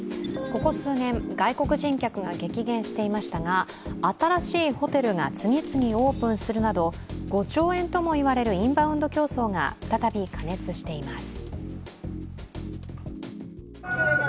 ここ数年、外国人客が激減していましたが、新しいホテルが次々オープンするなど５兆円ともいわれるインバウンド競争が再び過熱しています。